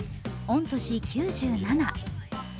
御年９７。